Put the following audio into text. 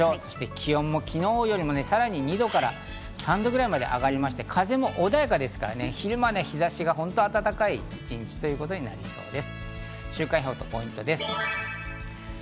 気温も昨日よりさらに２度から３度くらい上がって、風も穏やかですから、昼間は日差しが暖かい一日となりそうです。